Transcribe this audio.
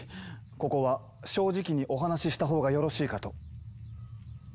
ここは正直にお話ししたほうがよろしいかと。